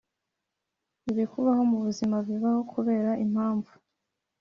Ibikubaho mu buzima bibaho kubera impamvu